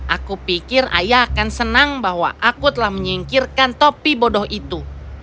aku pikir ayah akan senang bahwa aku telah menyingkirkan topi bodoh itu